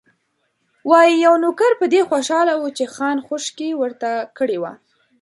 وايي، یو نوکر په دې خوشاله و چې خان خوشکې ورته کړې وې.